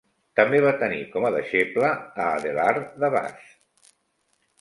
També va tenir com a deixeble a Adelard de Bath.